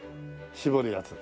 絞るやつ。